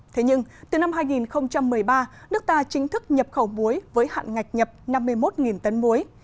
thế nhưng từ năm hai nghìn một mươi ba nước ta chính thức nhập khẩu muối với hạn ngạch nhập năm mươi một tấn muối